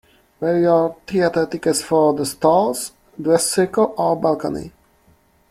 Were your theatre tickets for the stalls, dress circle or balcony?